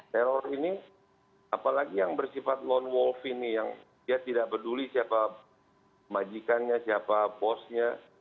teror ini apalagi yang bersifat lone wolf ini yang dia tidak peduli siapa majikannya siapa bosnya